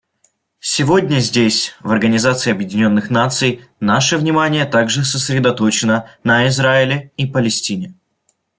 Сегодня здесь, в Организации Объединенных Наций, наше внимание также сосредоточено на Израиле и Палестине.